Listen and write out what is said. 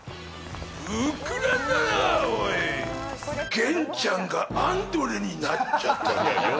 源ちゃんがアンドレになっちゃった。